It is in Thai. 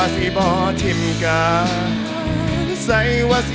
ขอบคุณมาก